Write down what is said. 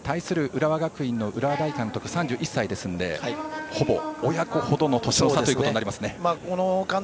浦和学院の森大監督、３１歳ですのでほぼ親子ほどの年の差ということになりますね。